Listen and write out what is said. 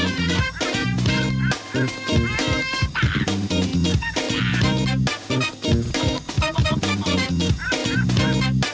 สวัสดีค่ะ